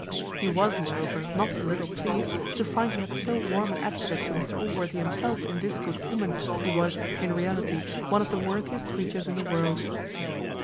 He was, moreover, not a little pleased to find he had so warm an advocate to Mr Allworthy himself in this good woman, who was, in reality, one of the worthiest creatures in the world.